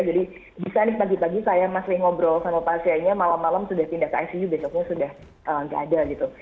jadi bisa nih pagi pagi kayak mas lee ngobrol sama pak hasyainya malam malam sudah pindah ke icu besoknya sudah gak ada gitu